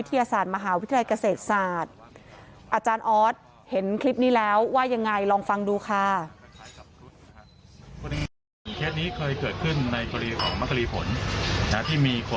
แต่ว่ามีการดัดแปลงนะครับเพื่อให้ดูเหมือนกับพยาพุทธ